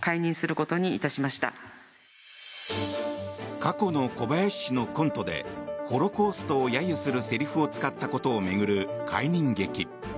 過去の小林氏のコントでホロコーストを揶揄するせりふを使ったことを巡る解任劇。